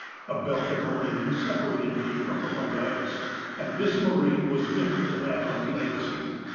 A belt of moraine separated me from the white ice, and this moraine was different to that on the Agassiz.